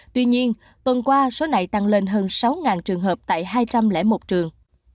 tuy nhiên tuần qua số này tăng lên hơn sáu trường hợp tại hai trăm linh một trường